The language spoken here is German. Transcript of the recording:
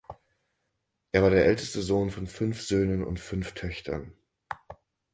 Er war der älteste Sohn von fünf Söhnen und fünf Töchtern.